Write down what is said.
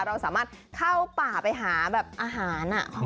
เราสามารถเข้าป่าไปหาแบบอาหาร